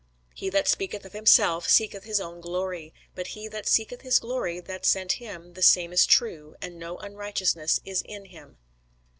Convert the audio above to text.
He that speaketh of himself seeketh his own glory: but he that seeketh his glory that sent him, the same is true, and no unrighteousness is in him.